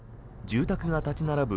住宅が立ち並ぶ